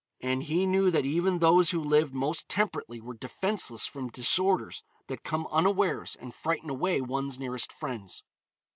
And he knew that even those who lived most temperately were defenceless from disorders that come unawares and frighten away one's nearest friends.